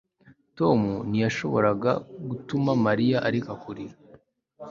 tom ntiyashoboraga gutuma mariya areka kurira